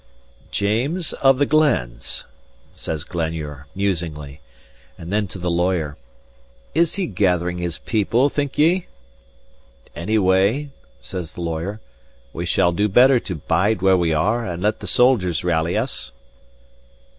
"James of the Glens," says Glenure, musingly; and then to the lawyer: "Is he gathering his people, think ye?" "Anyway," says the lawyer, "we shall do better to bide where we are, and let the soldiers rally us."